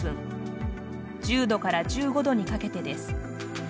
１０度から１５度にかけてです。